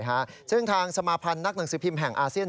ฮะซึ่งทางสมาพันธ์นักหนังสือพิมพ์แห่งอาเซียน